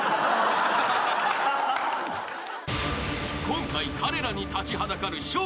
［今回彼らに立ちはだかる笑